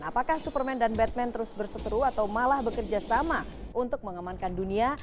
apakah superman dan batman terus berseteru atau malah bekerja sama untuk mengamankan dunia